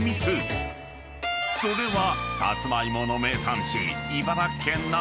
［それは］